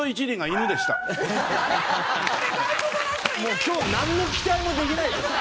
もう今日なんの期待もできないですよ。